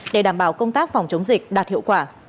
để đảm bảo công tác phòng chống dịch đạt hiệu quả